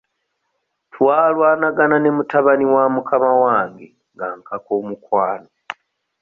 Twalwanagana ne mutabani wa mukama wange nga ankaka omukwano.